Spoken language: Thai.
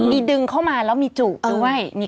มีดึงเข้ามาแล้วมีจุด้วยมีกรณีแบบนี้